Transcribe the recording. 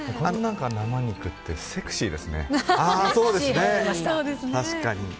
生肉ってセクシーですね。